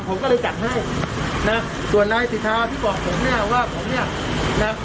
ผมก็เลยจัดให้นะส่วนนายสิทธาที่บอกผมเนี่ยว่าผมเนี่ยนะ